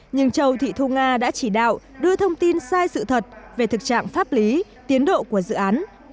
nhưng châu thị thu nga đã chỉ đạo đưa thông tin sai sự thật về thực trạng pháp lý tiến độ của dự án